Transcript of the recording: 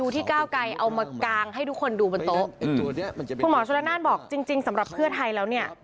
ที่ก้าวไกรเอามากางให้ทุกคนดูบนโต๊ะคุณหมอชนละนานบอกจริงจริงสำหรับเพื่อไทยแล้วเนี่ย